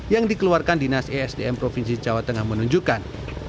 yang dikeluarkan dinas esdm provinsi jawa tengah menunjukkan